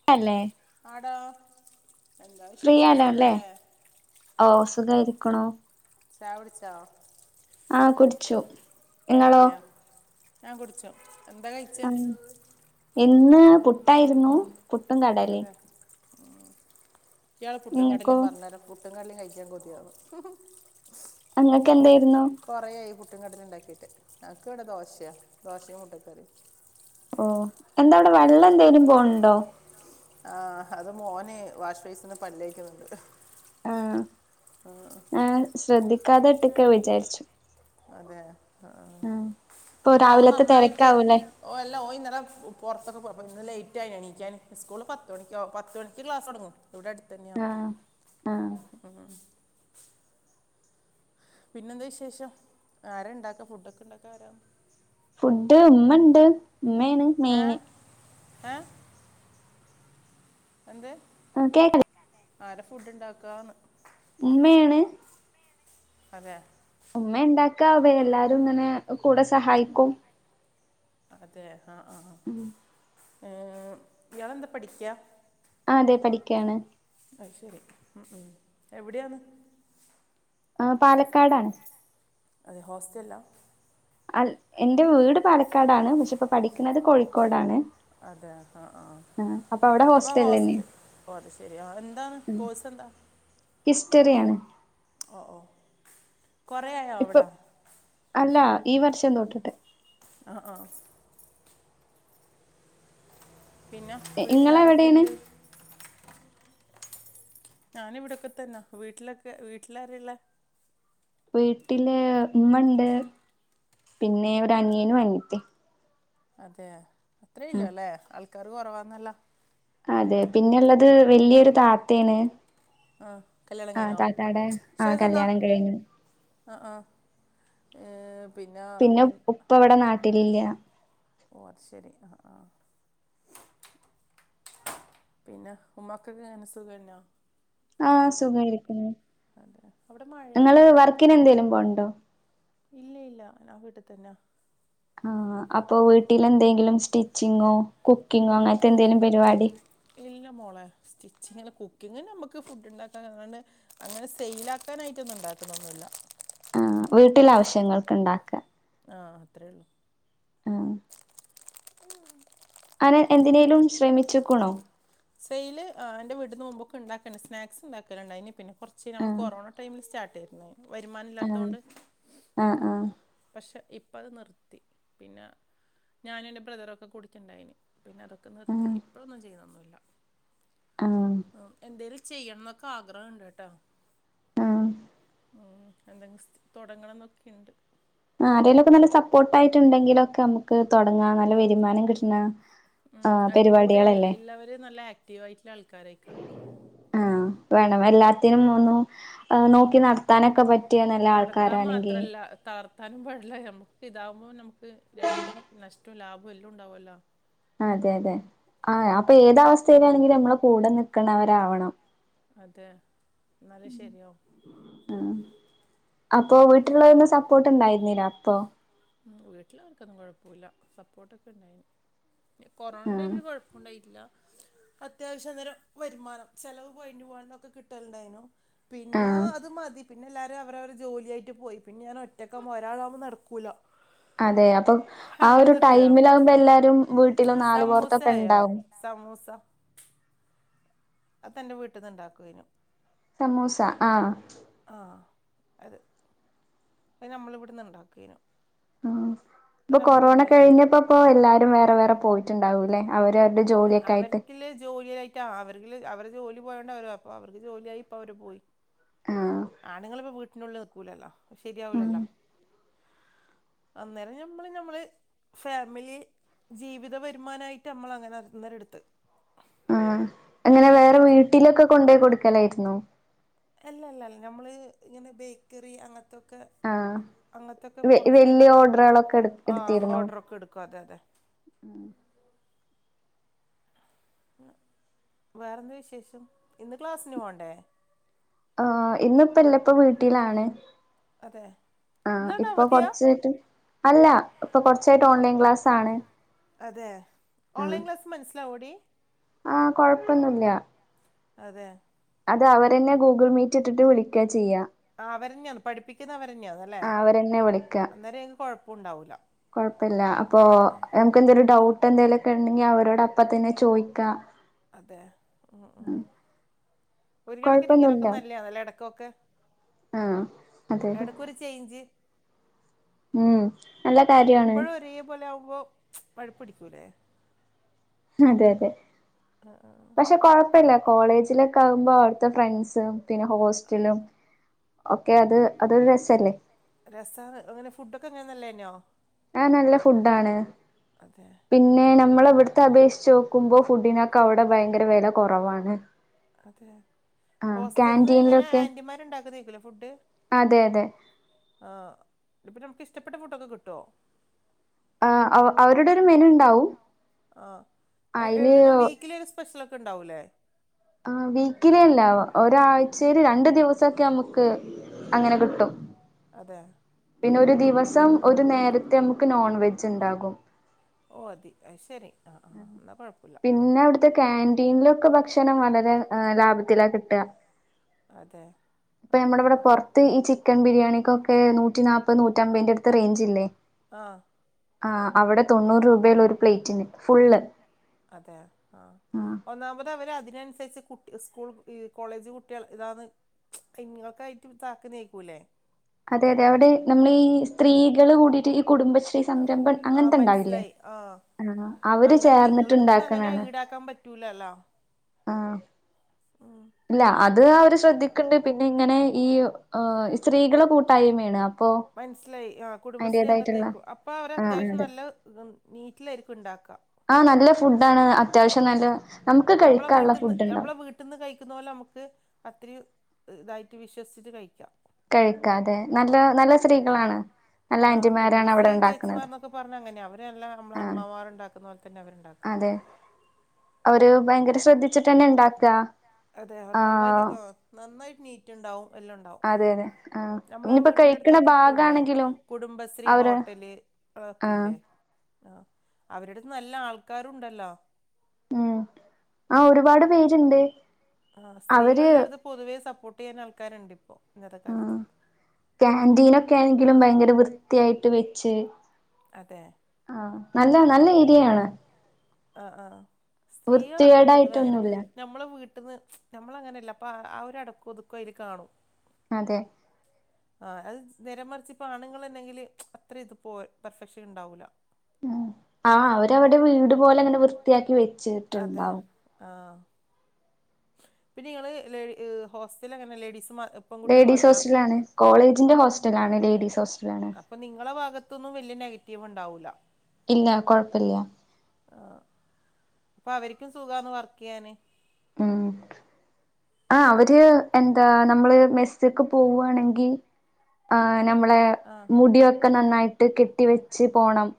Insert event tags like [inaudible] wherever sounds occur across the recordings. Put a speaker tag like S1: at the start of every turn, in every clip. S1: സുഖഅല്ലേ
S2: ആടാ
S1: ഫ്രീയാലോ അല്ലേ ഓ സുഖായിരിക്കണോ
S2: ചായ കുടിച്ച
S1: ആ കുടിച്ചു നിങ്ങളോ
S2: അതെയാ ഞാൻ കുടിച്ചു എന്താകഴി
S1: ആ ഇന്ന് പുട്ടായിരുന്നു പുട്ടും കടലയും
S2: അതെ ഇയാൾ പുട്ടും
S1: നിങ്ങൾക്കോ
S2: കട്ലും പറഞ്ഞരോ പുട്ടും കടലയും കഴിക്കാൻ കൊതിയാവുന്നു.
S1: അങ്ങൊക്കെ എന്തായിരുന്നു
S2: കുറേയായി പുട്ടും കടല ഉണ്ടാക്കിയിട്ട് ഞങ്ങൾക്ക് ഇവിടെ ദോശയാണ് ദോശയും മുട്ട കറിയും
S1: ഓ എന്താ അവിടെ വെള്ളം എന്തേലും പോണുണ്ടോ
S2: ആ അത് മോന് വാഷ് ഫേസിന്ന് പല്ലേക്കുന്നുണ്ട്. ഉം
S1: ശ്രദ്ധിക്കാതെട്ടൊക്കെ വിചാരിച്ചു
S2: അതെ ആ
S1: ആഹ് ഇപ്പൊ
S2: ഇല്ല ഓൻ
S1: രാവിലത്തെ
S2: നന്നായിട്ട്
S1: തിരക്കാവൂലേ
S2: ഓ എല്ല ഓൻ ഇന്നലെ പുറത്തൊക്കെ പോയി ഇന്നലെ ലേറ്റായി എണീക്കാൻ സ്കൂൾ പത്ത് മണിക്കോ പത്ത് മണിക്ക് ക്ലാസ് തുടങ്ങും. ഇവിടെ അടുത്ത തന്നെയാ
S1: ആഹ് ആഹ്
S2: ഉം പിന്നെ എന്താ വിശേഷം ആരാ ഉണ്ടാക്ക ഫുഡ് ഒക്കെ ഉണ്ടാക്ക ആരാ
S1: ഫുഡ് ഉമ്മ ഉണ്ട് ഉമ്മയാണ്.
S2: എ
S1: മെയിന്
S2: എ എന്ത്?
S1: [unintelligible]
S2: ആരാ ഫുഡ്ണ്ടാക്കാന്ന്?
S1: ഉമ്മയാണ്.
S2: അതെ.
S1: ഉമ്മ ഇണ്ടാക്കാവേ എല്ലാരും ഇങ്ങനെ കൂടെ സഹായിക്കും.
S2: അതെ ആ ആ
S1: ഉം
S2: ഏ ഇയാളെന്താ പഠിക്ക്യാ?
S1: ആതെ പഠിക്ക്യാണ്.
S2: അത് ശെരി ഉംഉം എവിടെയാണ്?
S1: ആ പാലക്കാടാണ്.
S2: അതെ ഹോസ്റ്റല്ലാ?
S1: അ എന്റെ വീട് പാലക്കാടാണ് പക്ഷേപ്പം പഠിക്ക്ണത് കോഴിക്കോടാണ്.
S2: അതെ ആ ആ അപ്പൊ ഹോസ്റ്റ ഓ അ അത് ശെരി ആ എന്താണ് കോഴ്സ് എന്താ?
S1: ഹിസ്റ്ററിയാണ്.
S2: ഓ ഓ കൊറെ ആയോ
S1: ഇപ്പൊ
S2: അവിടെ?
S1: അല്ല ഈ വർഷം തൊട് ട്ട്.
S2: ആഹ്ആഹ്. പിന്നെ
S1: ഇങ്ങളെവിടെയാണ്
S2: വീട്ട്ലാരൊക്കെണ്ട്? ഞാന് ഇവിടെൊക്കെ തന്ന വീട്ടിലൊക്കെ വീട്ടിലാരാള്ളെ?
S1: വീട്ടില് ഇമ്മണ്ട് പിന്നെ ഒരനിയനും അനിയത്തിം.
S2: അതെ
S1: ആ
S2: അത്രല്ലല്ലേ ആൾക്കാര് കൊറവാന്നല്ലോ?
S1: അതെ പിന്നെള്ളത് വെല്ല്യൊരു താത്തേണ്.
S2: ആ കല്യാണം
S1: ആ
S2: കഴിഞ്ഞോ
S1: താത്താടെ ആ കല്യാണം കഴിഞ്ഞു.
S2: ആഹ് ആഹാ എം.
S1: പിന്നെ ഉ ഉപ്പവടെ നാട്ടിലില്ല്യാ.
S2: ഓ അത് ശെരി ആഹ് ആഹ്. പിന്നെ ഉമ്മക്കൊക്കെങ്ങനെ സുഖന്നോ?
S1: ആഹ് സുഖായിരിക്കുന്നു
S2: അതെ അവിടെ മഴയുണ്ടോ
S1: നിങ്ങള് വർക്കിനെന്തേലും പോവ്ണ്ടോ?
S2: ഇല്ല്യല്ല്യ ഞൻ വീട്ടിതന്ന.
S1: ആ അപ്പൊ വീട്ടിലെന്തേങ്കിലും സ്റ്റിച്ചിങ്ങോ കുക്കിങ്ങോ അങ്ങൻത്തെന്തെങ്കിലും പരിപാടി
S2: ഇല്ല മോളെ സ്റ്റിച്ചിങ്ങല്ല കുക്കിംങ്ങന്നെ നമ്മക്ക് ഫുഡ് ണ്ടാക്കാനാണ്. അങ്ങനെ സെയ്ലാക്കാനായിട്ടൊ ന്നും ഇണ്ടാക്കലൊന്നുല്ല.
S1: ആ വീട്ടിലാവശ്യങ്ങൾക്ക് ഇണ്ടാക്കാ.
S2: ആഹ് അത്രള്ളൂ.
S1: മ്. അനൻ എന്തിനേലും ശ്രമിച്ച് ക്ക്ണോ?
S2: സെയ്ല് ആ എന്റെ വീടിന്ന് മുമ്പൊക്ക ഇണ്ടാക്കണ്ട് സ്നാക്സ് ഇണ്ടാക്കല്ണ്ടായ്നീ പിന്നെ കൊർച്ച്
S1: ആ
S2: നമ്മള് കൊറോണ ടൈമിൽ സ്റ്റാർട്ടെയ്ര്ന്ന വരുമാനം ഇല്ലാത്തോണ്ട്
S1: ആഹ് ആഹ്.
S2: പക്ഷെ ഇപ്പ അത് നിർത്തി പിന്നെ ഞാനും എന്റെ ബ്രദറൊക്കെ കുടിക്കിണ്ടായിനി പിന്നെ അതൊ
S1: ആ
S2: നിർത്തി ഇപ്പോളൊന്നും ചെയ്യുന്നൊന്നുല്ല
S1: ആ
S2: മ് എന്തേലെ ചെയ്യണന്നൊക്കെ ആഗ്രഹണ്ട്ട്ടോ.
S1: ആഹ്.
S2: ആ എന്തെസ്റ്റ് തൊടങ്ങണം ന്നൊക്കെണ്ട്.
S1: ആ ആരെേലൊക്കെ നല്ല സപ്പോട്ടായിട്ണ്ടെങ്കിലൊക്കെ അമ്ക്ക് തൊടങ്ങാം നല്ല വരുമാനം കിട്ടണ
S2: മ് ആ കൂടെ ഇള്ള ഇള്ളവര് നല്ല ആക്റ്റീവായിട്ട്ള്ള ആൾക്കാരായിരിക്കണം.
S1: ആ വേണം എല്ലാത്തിനും ഒന്ന് നോക്കി നടത്താനൊക്കെ പറ്റിയ നല്ല ആൾക്കാരാണെങ്കി
S2: തകർത്താനും പാടില്ല നമക്ക് ഇതാവുമ്പോ നമുക്ക് രണ്ടും നഷ്ടവും ലാഭവും എല്ലാം ഉണ്ടാവുമല്ലോ
S1: അതെ അതെ ആ അപ്പൊ ഏത് അവസ്ഥയിലാണെങ്കിലും നമ്മൾ കൂടെ നിൽക്കണവരാവണം
S2: അതെ എന്നാലും ശരിയാവും
S1: ആഹ് അപ്പൊ വീട്ടിലുള്ളവൊന്ന സപ്പോർട്ട് ഉണ്ടായിരുന്നില്ല അപ്പൊ
S2: ആഹ് വീട്ടിലവർക്കൊന്നും കുഴപ്പമില്ല സപ്പോർട്ടൊക്കെ ഉണ്ടായിന് കൊറോണ
S1: ഉം
S2: ടൈമില് കുഴപ്പം ഉണ്ടായിട്ടില്ല അത്യാവശ്യ നേരം വരുമാനം ചെലവ് പോയി പോകന്നൊക്കെ കിട്ടലുണ്ടായിനു പിന്നെ
S1: ആഹ്
S2: അത് മതി പിന്നെ എല്ലാവരും അവരവർ ജോലിയായിട്ടു പോയി പിന്നെ ഞാൻ ഒറ്റക്കാകുമ്പോൾ ഒരാളാകുമ്പോൾ നടക്കൂല്ല
S1: അതെ അപ്പൊ ആ ഒരു
S2: നിർത്തിയതാ
S1: ടൈമിലാകുമ്പോ എല്ലാരും വീട്ടിലും
S2: സമൂസ
S1: നാലുപോറത്തൊക്കെ
S2: ആയോ
S1: ഉണ്ടാവും
S2: സമൂസ അതന്റെ വീട്ടിൽന്ന് ഉണ്ടാക്കെനു
S1: സമൂസ ആഹ്
S2: ആഹ് അതെ അത് നമ്മളിവിടുന്ന് ഉണ്ടാക്കെനു
S1: ആഹ് ഇപ്പൊ കൊറോണ കഴിഞ്ഞപ്പപ്പോ എല്ലാരും വേറെ വേറെ പോയിട്ടുണ്ടാവൂല്ലേ അവര
S2: അവർക്കില്ല ജോലി ആയി ട്ടാ അവരിക്ക്ള്ള അവരെ ജോലി പോയോണ്ട അവര അപ്പൊ അവർക്ക് ജോലിയായി ഇപ്പ അവര് പോയി
S1: ആഹ്
S2: ആണുങ്ങളിപ്പ വീട്ടിനുള്ളിൽ നിക്കൂലല്ലോ
S1: ഉം
S2: ശരിയാവൂലല്ലോ അന്നേരം ഞമ്മള് ഞമ്മള് ഫാമിലി ജീവിത വരുമാനായിട്ട് നമ്മൾ അങ്ങനെ അന്നേരം എടുത്ത്
S1: ആഹ് അങ്ങനെ
S2: അന്നേരം
S1: വേറെ
S2: നമുക്ക്
S1: വീട്ടിലൊക്കെ കൊണ്ടോയി കൊടുക്കലായിരുന്നോ
S2: അല്ല അല്ല അല്ല ഞമ്മള് ഇങ്ങനെ ബേക്കറി അങ്ങനത്തെ ത്തോക്കെ
S1: ആഹ്
S2: അങ്ങനത്തൊക്കെ
S1: വെ
S2: പുറത്ത്ന്നില്ല
S1: വല്യ ഓർഡറുകളൊക്കെ എടു
S2: ആഹ് ഓർഡറൊക്കെ എടുക്കും അതെ അതെ
S1: ഉം
S2: വേ വേറെ എന്ത വിശേഷം ഇന്ന് ക്ലാസിന് പോകണ്ടേ
S1: ആഹ് ഇന്നിപ്പല്ല ഇപ്പ വീട്ടിലാണ്
S2: അതെ
S1: ആഹ്
S2: ഇന്നവിടെ
S1: ഇപ്പൊ
S2: അവധിയാ
S1: കൊറച്ചായിട്ട് അല്ല ഇപ്പൊ കൊറച്ചായിട്ട് ഓൺലൈൻ ക്ലാസ്സ് ആണ്
S2: അതെ ഓൺലൈൻ ക്ലാസ്സ് മനസ്സിലാവോടി
S1: ആഹ് കൊഴപ്പൊന്നുല്ല
S2: അതെ
S1: അത് അവരെന്നെ ഗൂഗിൾ മീറ്റ് ഇട്ടിട്ട് വിളിക്ക ചെയ്യാ
S2: ആ ഹ് അവര് തന്നെയാന്ന് പഠിപ്പിക്കുന്ന അവരെന്നെയാണ് അല്ലേ
S1: ആ അവരെന്നെ
S2: അന്നേരം അയ്നു കൊഴപ്പണ്ടാവൂല
S1: കുഴപ്പല്ല അപ്പൊ നമുക്ക് എന്തങ്കിലും ഡൗട്ട് എന്തെലുക്കെ ഉണ്ടെങ്കിൽ അവരോട് അപ്പ തന്നെ ചോയ്ക്കാം
S2: അതെ ഉം ഉം ഒരു കണക്കിന് ഇങ്ങനെയൊക്കെ
S1: കൊഴപ്പൊന്നുല്ല
S2: നല്ലേ ആണ് ഇടക്കൊക്കെ
S1: ആ അതെ അതെ
S2: എടക്കൊരു ചെയിഞ്ച്
S1: ഉം നല്ല കാര്യാണ്
S2: എപ്പഴും ഒരേ പോലെ ആവുമ്പോ വെറുപ്പ്ടിക്കൂല്ലേ
S1: അതെ അതെ
S2: ആഹ് ആഹ്
S1: പക്ഷെ കുഴപ്പല്ല കോളേജിലൊക്കെ ആകുമ്പോ അവിടുത്തെ ഫ്രണ്ട്സും പിന്നെ ഹോസ്റ്റലും ഒക്കെ അത് അതൊരു രസല്ലേ
S2: രസാണ് ങ്ങനെ ഫുഡൊക്കെ എങ്ങനെ നല്ലതന്നെയോ
S1: ആഹ് നല്ല ഫുഡ് ആണ്
S2: അതെ
S1: പിന്നെ നമ്മളെ വ്ടത്തെ അപേക്ഷിച്ചോക്കുമ്പോ ഫുഡിനൊക്കെ അവ്ടെ ഭയങ്കര വെല കൊറവാണ്
S2: അതെ ഹോസ്റ്റൽന്ന് ങ്ങനെ
S1: ക്യാന്റീനിലൊക്കെ
S2: ആന്റിമാരുണ്ടാക്കുന്നതയ്ക്കുലെ ഫുഡ് അതെ ആ ഇപ്പ നമുക്ക് ഇഷ്ട്ടപ്പെട്ട ഫുഡൊക്കെ കിട്ടോ
S1: ആ അവ് അവരുടെ ഒരു മെനുണ്ടാവും
S2: ആ എ എങ്ങനെ വീക്കിലി ഒരു സ്പെഷ്യലൊക്കെ ണ്ടാവൂല്ലേ
S1: ആ വീക്കിലില്ല ഒരാഴ്ചയിൽ രണ്ടു ദിവസൊക്കെ നമുക്ക് അങ്ങനെ കിട്ടും
S2: അതെ
S1: പിന്നെ ഒരു ദിവസം ഒരു നേരത്തെ നമുക്ക് നോൺ വെജ് ണ്ടാകും
S2: ഓതി അത് ശരി ആ ആ ന്നാ കൊഴ്പ്
S1: പിന്നെ അവ്ട്ത്തെ കാന്റീൻലൊക്കെ ഭക്ഷണം വളരെ ലാഭത്തിലാ കിട്ട [inaudible]
S2: അതെ ആ ആ
S1: ത് ഈ ചിക്കൻ ബിരിയാണിക്കൊക്കെ നൂറ്റി നാല്പ്പത് നൂറ്റമ്പീന്റട്ത്ത് റെയ്ഞ്ച്ല്ലേ
S2: ആഹ്
S1: ആ അവിടെ തൊണ്ണൂറ് രൂപയെള്ളൂ ഒരു പ്ലേറ്റിന് ഫുള്ള്
S2: അതെ ആ ആ
S1: ആഹ്
S2: ഒന്നാമത് അവര് അതിനനുസര്ച്ച് കുട്ടി സ്കൂൾ കു ഈ കോളേജ് കുട്ട്യാളെ ഇതാന്ന് ഇങ്ങൾക്കായ്റ്റ് താക്ക് നീക്കൂല്ലേ
S1: അതെ അതെ അവിടെ നമ്മള് ഈ സ്ത്രീകള് കൂടിയിറ്റ് ഈ കുടുംബശ്രീ ഈ സംരംഭം
S2: ആഹ്
S1: അങ്ങൻത്ത് ണ്ടാവില്ലേ
S2: മനസ്സിലായി ആഹ്
S1: ആ അവര് ചേർന്ന്ട്ട്ണ്ടാക്ക്‌ണാണ്
S2: റ്റൂലല്ലാ
S1: ആഹ്
S2: ഉം
S1: ഇല്ല അത് അവര് ശ്രദ്ധിക്ക്‌ണ്ട് പിന്നെ ഇൻ ഇങ്ങനെ ഈ ഓ സ്ത്രീകളെ കൂട്ടായ്മയാണ് അപ്പോ
S2: മനസ്സിലായി ആ കുടുംബശ്രീ അങ്ങത്തേക്കും അപ്പോ അവര്
S1: ആഹ്
S2: അത്യാവശ്യം
S1: അതെ
S2: നല്ല ത്ണ്ട് നീറ്റ് ലേര്ക്കും ണ്ടാക്ക
S1: ആഹ് നല്ല
S2: ആ നല്ല
S1: ഫുഡാണ്
S2: ഫുഡാണ്
S1: അത്യാവശ്യം
S2: അത്യാവ്ശ്യം നല്ല
S1: നമുക്ക്
S2: നമ്മ്ള
S1: കഴിക്കാനുള്ള
S2: വീട്ട്ന്ന്
S1: ഫുഡ് ഉണ്ടാവും
S2: നമ്മ്ള വീട് ട്ട്ന്ന് കഴിക്കുന്ന പോലെ നമുക്ക് അത്രയും ഹ് തായിട്ട് വിശ്വസിച്ചിട്ട് കഴിക്കാ
S1: കഴിക്കാതെ നല്ല നല്ല സ്ത്രീകളാണ് നല്ല
S2: ആ
S1: ആന്റിമാരാണ്
S2: കുടുംബശ്രീ
S1: അവിടെ ഉണ്ടാക്കുന്നത്
S2: ചേച്ചിമാർന്നൊക്കെ പർഞ്ഞ അങ്ങനയ അവരല്ല നമ്മ്ള്
S1: ആഹ്
S2: അമ്മമാര്ണ്ടാക്കുന്ന പോൽ തന്നെ അവര്ണ്ടാക്ക
S1: അതെ അവര് ഭയങ്കര ശ്രദ്ധിച്ചിട്ട്ന്നെ ണ്ടാക്ക
S2: അതെ അവർ നന്നായിട്ട് ആ ആ നന്നായിട്ട് നീറ്റ് ണ്ടാവും വല്ലോം ണ്ടാവും
S1: അതെ അതെ ആഹ്
S2: നമ്മ്ള
S1: ഇനിയിപ്പോ
S2: വീട്ടിന്റെ
S1: കഴിക്കണ
S2: അടുത്തൊക്കെ ഇപ്പ ഇല്ലേ
S1: ഭാഗാണെങ്കിലും
S2: കുടുംബശ്രീ
S1: അവര്
S2: ഹോട്ടല്
S1: ആഹ്
S2: അതൊക്കില്ലേ ആ ആ അവരട്ത്ത് നല്ല ആൾക്കാരുണ്ടല്ലോ
S1: ആ ഒരുപാട് പേര്ണ്ട്
S2: ആ സ്ത്രീകൾ എല്ലാട്ത്തും പൊതുവേ സപ്പോട്ട് ചെയ്യാൻ ആൾക്കാര്ണ്ട് ഇപ്പോ ഇന്നത്തെ കാൽത്ത്
S1: ക്യാൻന്റീനൊക്കെ ആണെങ്കിലും ഭയങ്കര വൃത്തിയായിട്ട് വെച്ച്
S2: അതെ
S1: ആ നല്ല നല്ല ഏരിയാണ്
S2: ആ ആ സ്ത്രീകൾളട്ത്ത് പൊതുവെ അങ്ങനെ
S1: വൃത്തികേടായിട്ടൊന്നുല്ല
S2: നമ്മളെ വീട്ട്ന്ന് നമ്മള് അങ്ങനെല്ല അപ്പ ആ ഒരു അടക്കു ഒതുക്കും അയ്ല് കാണും
S1: അതെ
S2: ആ അത് നേരെ മർച്ച് ഇപ്പോ ആണുങ്ങള് ണ്ടെങ്കില് അത്ര ഇത് പോര പെർഫെക്ഷൻ ഇണ്ടാവൂല്ല
S1: ആ അവര് അവിടെ വീട് പോലെ അങ്ങനെ വൃത്തിയാക്കി വെച്ചിട്ടുണ്ടാവും
S2: ആഹ് പിന്നെ ങ്ങൾ ലേി ഹോസ്റ്റല അങ്ങനെ ലേഡീസ് മാ പെൺകുട്ടികൾ
S1: ലേഡീസ്
S2: മാത്രാ
S1: ഹോസ്റ്റലാണ് കോളേജിന്റെ ഹോസ്റ്റലാണ് ലേഡീസ് ഹോസ്റ്റലാണ്
S2: അപ്പൊ നിങ്ങളുടെ ഭാഗത്ത്ന്നും വലിയ നെഗറ്റീവ് ഉണ്ടാവില്ല
S1: ഇല്ല കുഴപ്പല്ല
S2: ആഹ് അപ്പൊ അവർക്കും സുഖാന്ന് വർക്ക് ചെയ്യാന്
S1: ഉം ആ അവര് എന്താ നമ്മള് മെസ് മെസ്ക്ക് പോവാണെങ്കി ആ നമ്മളെ
S2: ആഹ്
S1: മുടിയൊക്കെ നന്നായിട്ട് കെട്ടി വെച്ച് പോണം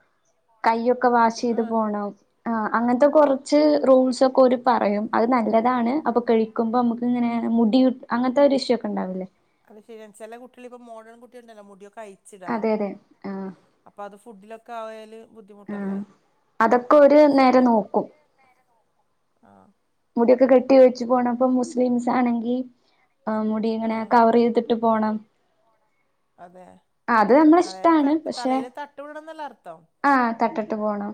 S1: കൈയ്യൊക്കെ വാഷ് ചെയ്ത്
S2: ആഹ്
S1: പോണം ആ അങ്ങൻത്തെ കുറച്ച് റൂൾസ് ഒക്കെ ഓര് പറയും അത് നല്ലതാണ് അപ്പൊ കഴിക്കുമ്പോ നമുക്ക് ഇങ്ങനെ മുടി അങ്ങനത്തെ ഒരു ഇഷ്യു ഒക്കെ ഉണ്ടാവൂല്ലേ
S2: അത് ശരി ചില കുട്ടികള് ഇപ്പം മോഡേൺ കുട്ടികൾ ഇണ്ടല്ലോ മുടി ഒക്കെ അയി
S1: അതെ അതെ ആ
S2: അപ്പൊ അത് ഫുഡിലൊക്കെ ആയാൽ
S1: ആ
S2: ബുദ്ധിമുട്ടല്ലേ
S1: അതൊക്കെ ഒരു
S2: അത്
S1: നേരെ
S2: ശരിയാണ്
S1: നോക്കും
S2: നേരെ നോക്കും ആഹ്
S1: മുടി ഒക്കെ കെട്ടി വെച്ച് പോണം അപ്പം മുസ്‌ലിംസ് ആണെങ്കിൽ ആ ടി ഇങ്ങനെ
S2: ആഹ്
S1: കവറെയ്തിട്ട് പോണം
S2: അതെ
S1: അത് നമ്മള
S2: അതായത്
S1: ഇഷ്ടാണ്
S2: തട്ട് തലേല് തട്ടം ഇടണന്നല്ലേ അർത്ഥം
S1: ആ തട്ടട്ട് പോണം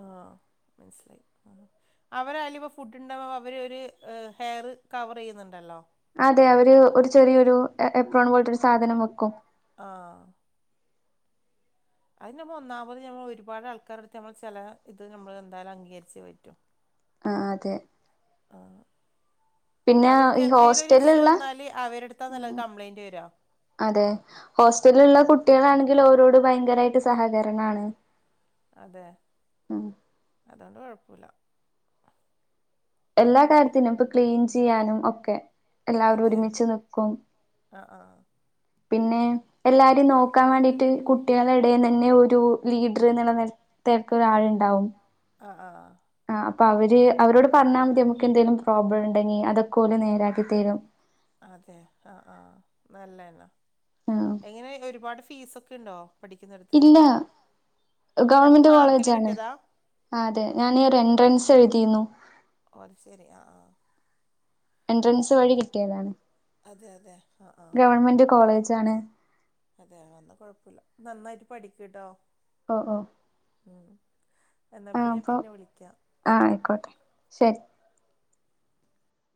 S2: ആഹ് മൻസിലായി അഹ് അവരാലും ഇപ്പ ഫുഡ് ഇണ്ടാവുമ്പോ അവര് ഒരു ഏഹ് ഹെയറ് കവറെയ്യുന്നുണ്ടല്ലോ
S1: അതെ അവര് ഒരു ചെറിയൊരു എപ്രോൺ പോല്ത്തൊരു സാധനം വെക്കും
S2: ആഹ് അഹ് നമ്മൊന്നാമത് നമ്മള് ഒരുപാട് ആൾക്കാരടുത്ത് നമ്മള് ചെല ഇത് നമ്മള് എന്തായാലും അംഗീകരിച്ചേ പറ്റു
S1: അ ആഹ് അതെ
S2: ആഹ്
S1: പിന്നെ
S2: അവരിക്ക്
S1: ഈ
S2: എന്തേലൊരു ഇഷ്യൂ
S1: ഹോസ്റ്റലിലുള്ള
S2: വന്നാല് അവരെടുത്താന്നല്ലോ
S1: ആഹ്
S2: അത് കംപ്ലയിന്റ് വെരാ
S1: അതെ ഹോസ്റ്റലുള്ള കുട്ടികളാണെങ്കിൽ ഓരോട് ഭയങ്കരായിട്ട് സഹകരണാണ്
S2: അതെ
S1: ഉം
S2: അതൊണ്ട് കെഴപ്പൂലാ
S1: എല്ലാ കാര്യത്തിനും ഇപ്പൊ ക്ലീൻ ചെയ്യാനും ഒക്കെ എല്ലാവരും
S2: അതെ
S1: ഒരുമിച്ച് നിക്കും
S2: ആ ആ
S1: പിന്നെ എല്ലാരെ നോക്കാൻ വേണ്ടിട്ട് കുട്ട്യേളെ എടെന്ന് തന്നെ ഒരു ലീഡ്ർ എന്നുള്ള നല ത്തേക്കൊരാളുണ്ടാവും
S2: ആ ആഹ്
S1: ആ അപ്പൊ അവര് അവരോട് പറഞ്ഞാമതി നമുക്ക് എന്തെങ്കിലും പ്രോബ്ളം ഇണ്ടെങ്കിൽ അതൊക്കൊല് നേരാക്കിത്തരും
S2: അതെ ആഹ് ആഹ് നല്ലയെന്നാ
S1: ആഹ്
S2: എങ്ങനെ ഒരുപാട് ഫീസൊക്കെ ഇണ്ടോ
S1: ഇല്ലാ
S2: ഇയാൾക്ക്
S1: ഗവൺമെന്റ്
S2: മാർക്കിൽ
S1: കോളേജാണ്
S2: കിട്ടിയതാ
S1: ആ അതെ ഞാൻ ഒരു എൻട്രൻസ് എഴുതിര്ന്നു
S2: ഓഹ് അത് ശരി ആഹ് ആഹ്
S1: എൻട്രൻസ് വഴി കിട്ടിയതാണ്
S2: അതെ അതെ ആ ആ
S1: ഗവൺമെന്റ് കോളേജാണ്
S2: അതെ എന്ന കൊഴപ്പുല്ല നന്നായിട്ട് പഠിക്ക് കേട്ടോ
S1: ഓ ഓ
S2: ഉം എന്നാപ്പിന്നെ ഞാൻ പിന്നെ വിളിക്കാം
S1: ആഹ് ആയിക്കോട്ടെ ശെരി